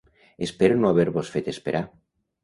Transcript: Espero no haver-vos fet esperar.